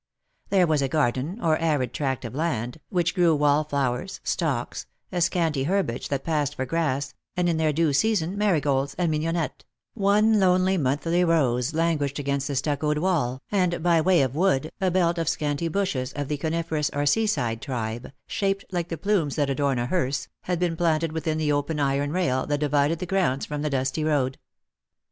There was a garden, or arid tract of land, which grew wall flowers, stocks, a scanty herbage that passed for grass, and in their due season marigolds and mignonette; one lonely monthly rose languished against the stuccoed wall, and by way of wood a belt of scanty bushes of the coniferous or sea side tribe, shaped like the plumes that adorn a hearse, had been planted within the open iron rail that divided the grounds from the dusty road.